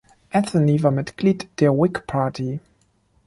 Anthony war Mitglied der Whig Party.